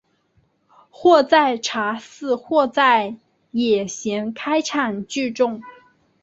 或在茶肆或在野闲开场聚众。